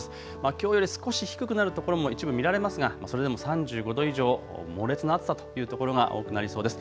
きょうより少し低くなる所も一部見られますが、それでも３５度以上、猛烈な暑さというところが多くなりそうです。